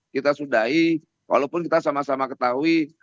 kita sudahi walaupun kita sama sama ketahui